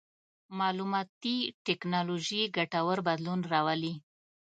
مالوماتي ټکنالوژي ګټور بدلون راولي.